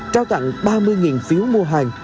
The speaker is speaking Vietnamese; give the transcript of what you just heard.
trao tặng ba mươi phiếu mua hàng